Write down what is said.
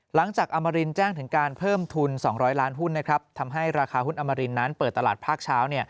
อมรินแจ้งถึงการเพิ่มทุน๒๐๐ล้านหุ้นทำให้ราคาหุ้นอมรินนั้นเปิดตลาดภาคเช้า